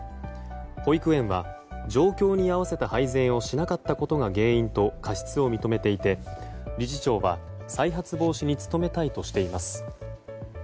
保育園は状況に合わせた配膳をしなかったことが原因と過失を認めていて理事長は再発防止に努めたいとしています。